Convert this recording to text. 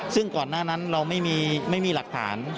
ซึ่งก่อนหน้านั้นเราไม่มีหลักฐาน